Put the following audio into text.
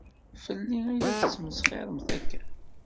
Fell-i i la tettmesxiṛemt akka?